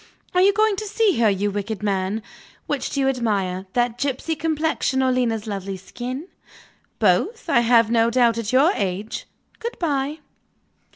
Are you going to see her, you wicked man? Which do you admire that gypsy complexion, or Lena's lovely skin? Both, I have no doubt, at your age. Good bye."